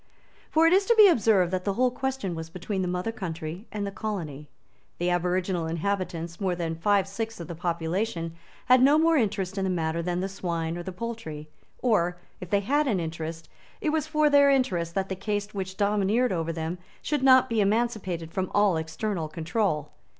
For it is to be observed that the whole question was between the mother country and the colony. The aboriginal inhabitants, more than five sixths of the population, had no more interest in the matter than the swine or the poultry; or, if they had an interest, it was for their interest that the caste which domineered over them should not be emancipated from all external control.